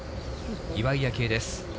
岩井明愛です。